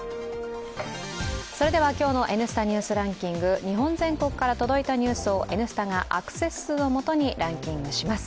それでは今日の「Ｎスタ・ニュースランキング」日本全国から届いたニュースを、「Ｎスタ」がアクセス数を元にランキングします。